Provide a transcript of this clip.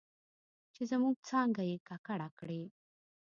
چې زموږ څانګه یې ککړه کړې